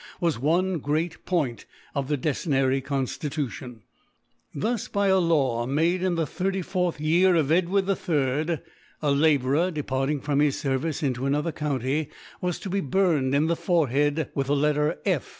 was one gceat Point of the De cennary Conflitution, Thus by a Law made in the 34th Year of Edward III. A Labourer departing from his Service into another Country was, to be burned in the Forehead with the Letter F.